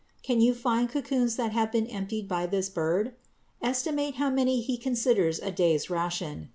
Can you find cocoons that have been emptied by this bird? Estimate how many he considers a day's ration.